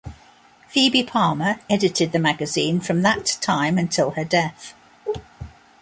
Phoebe Palmer edited the magazine from that time until her death.